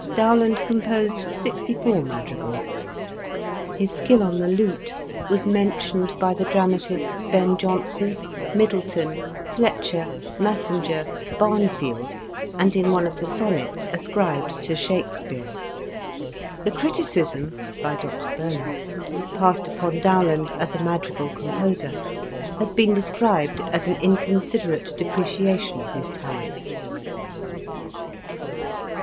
Dowland composed sixty four madrigals. His skill on the lute was mentioned by the dramatists, Ben Jonson, Middleton, Fletcher, Massinger, Barnfield, and in one of the sonnets ascribed to Shakespeare. The criticism* passed upon Dowland as a madrigal composer has been described as an inconsiderate depreciation of his talents.